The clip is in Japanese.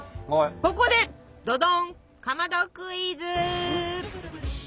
ここでどどんかまどクイズ！